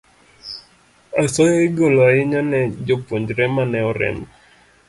Asoya igolo ahinya ne jopuonjre ma ne orem.